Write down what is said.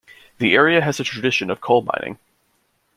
The area has a tradition of coal mining.